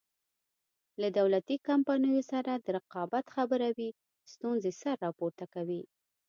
له دولتي کمپنیو سره د رقابت خبره وي ستونزې سر راپورته کوي.